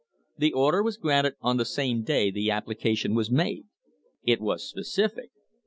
The order was granted on the same day the application was made. It was specific.